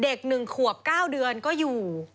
เด็กหนึ่งขวบ๙เดือนก็อยู่